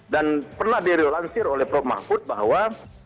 dan pernah dirilansir oleh prof mahfud bahwa